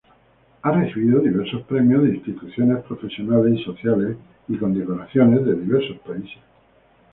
Ha recibido diversos premios de instituciones profesionales y sociales y condecoraciones de diversos países.